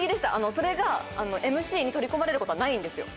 それがＭＣに取り込まれることはないんですよ。